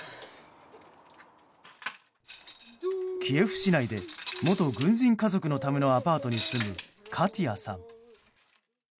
キエフ市内で元軍人家族のためのアパートに住むカティアさん。